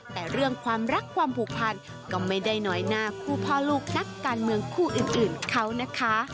แต่เรื่องความรักความผูกพันก็ไม่ได้น้อยหน้าคู่พ่อลูกนักการเมืองคู่อื่นเขานะคะ